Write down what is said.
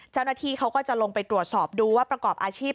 เจ้าหน้าที่เขาก็จะลงไปตรวจสอบดูว่าประกอบอาชีพ